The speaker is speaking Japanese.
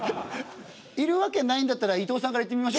いるわけないんだったら伊藤さんからいってみましょうか。